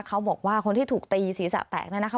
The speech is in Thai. เขาบอกว่าคนที่ถูกตีศีรษะแตก